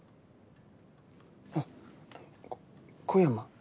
あっこ小山。